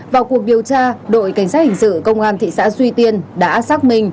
vào cuộc điều tra đội cảnh sát hình sự công an thị xã duy tiên đã xác minh